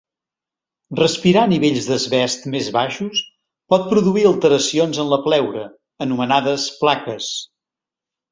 Respirar nivells d'asbest més baixos pot produir alteracions en la pleura, anomenades plaques.